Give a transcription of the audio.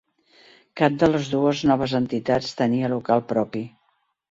Cap de les dues noves entitats tenia local propi.